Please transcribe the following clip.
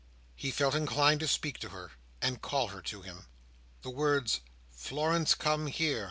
He felt inclined to speak to her, and call her to him. The words "Florence, come here!"